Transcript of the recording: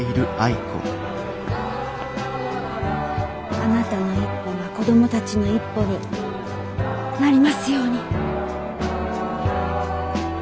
あなたの一歩が子供たちの一歩になりますように。